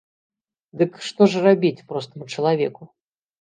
Дык што ж рабіць простаму чалавеку?